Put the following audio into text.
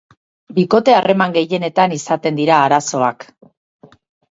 Bikote harreman gehienetan izaten dira arazoak.